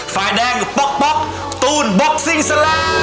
ฝ่ายแดงปล๊อกปล๊อกตูลบ็อกซิงสแลม